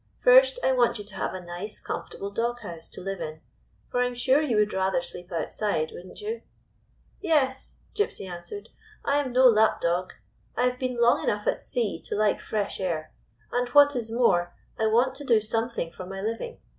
First, I want you to have a nice, comfortable dog house to live in, for I 'm sure you would rather sleep outside, would n't you ?"" Yes," Gypsy answered. " I am no lapdog. I have been long enough at sea to like fresh air. And, what is more, I want to do something for my living.